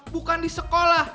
bukan di sekolah